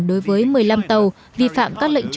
đối với một mươi năm tàu vi phạm các lệnh